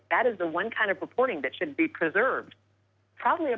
ขอบคุณมากขอบคุณท่านไวเฟอร์ที่ได้ส่งมาสหรัฐบาส